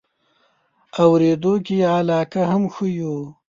اورېدو کې یې علاقه هم ښیو.